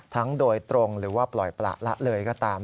โดยตรงหรือว่าปล่อยประละเลยก็ตาม